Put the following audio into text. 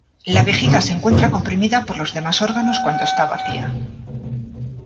La vejiga se encuentra comprimida por los demás órganos cuando está vacía.